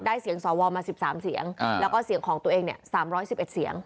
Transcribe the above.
ได้เสียงศวรมาสิบสามเสียงอ่าแล้วก็เสียงของตัวเองเนี่ย๓๑๑เสียง